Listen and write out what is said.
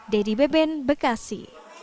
dedy beben bekasi